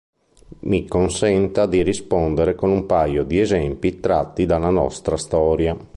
Mi consenta di rispondere con un paio di esempi tratti dalla nostra storia.